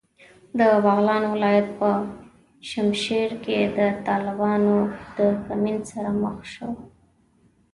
د بغلان ولایت په چشمشېر کې د طالبانو د کمین سره مخ شوو.